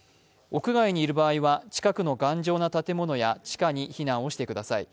屋外にいる場合は近くの頑丈な建物や地下に避難をしてください。